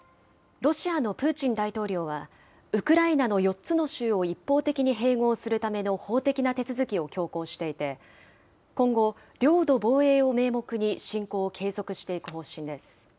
ロシアのプーチン大統領は、ウクライナの４つの州を一方的に併合するための法的な手続きを強行していて、今後、領土防衛を名目に侵攻を継続していく方針です。